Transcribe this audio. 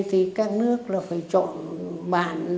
thì các nước là phải chọn bạn